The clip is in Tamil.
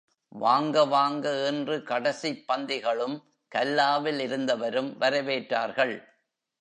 வாங்க வாங்க, என்று கடைசிப் பந்திகளும், கல்லாவில் இருந்தவரும் வரவேற்றார்கள்.